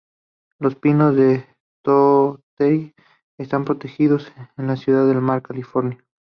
Los pinos de Torrey están protegidos en la ciudad de Del Mar, California.